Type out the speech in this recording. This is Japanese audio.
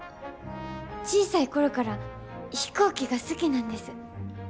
小さい頃から飛行機が好きなんです。